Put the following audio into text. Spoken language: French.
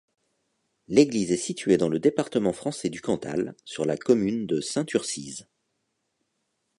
L'église est située dans le département français du Cantal, sur la commune de Saint-Urcize.